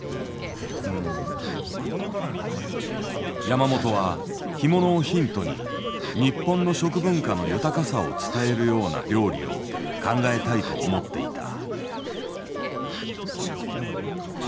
山本は干物をヒントに日本の食文化の豊かさを伝えるような料理を考えたいと思っていた。